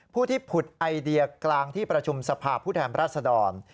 ผู้ที่ผุดไอเดียกลางที่ประชุมสภาพผู้แทนรัศดร